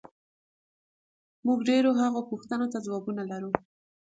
موږ ډېرو هغو پوښتنو ته ځوابونه لرو،